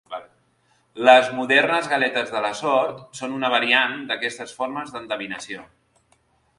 Les modernes galetes de la sort són una variant d'aquestes formes d'endevinació.